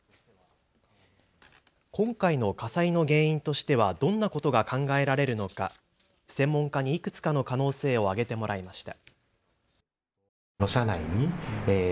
今回の火災の原因としてはどんなことが考えられるのか専門家にいくつかの可能性を挙げてもらいました。